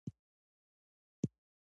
زما مشوره داده چې واده وکړه پوه شوې!.